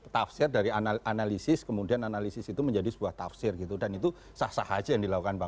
tafsir dari analisis kemudian analisis itu menjadi sebuah tafsir gitu dan itu sah sah aja yang dilakukan pak